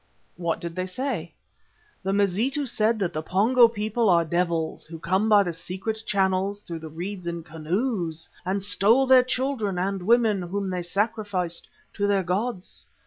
"What did they say?" "The Mazitu said that the Pongo people are devils who came by the secret channels through the reeds in canoes and stole their children and women, whom they sacrificed to their gods.